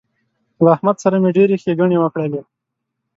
له احمد سره مې ډېرې ښېګڼې وکړلې